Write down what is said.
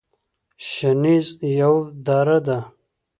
شنیز یوه دره ده